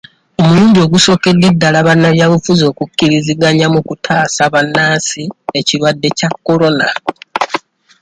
Omulundi ogusookedde ddala bannabyabufuzi okukkiriziganya mu kutaasa bannansi ekirwadde kya Corona.